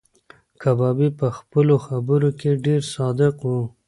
کبابي په خپلو خبرو کې ډېر صادق و.